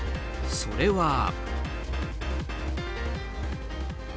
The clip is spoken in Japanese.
それは。